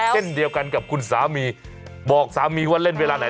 เช่นเดียวกันกับคุณสามีบอกสามีว่าเล่นเวลาไหน